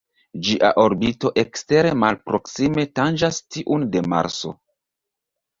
Ĝia orbito ekstere malproksime tanĝas tiun de Marso.